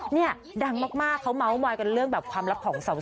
เนี่ยดังมากเขาเมาส์มอยกันเรื่องแบบความลับของสาว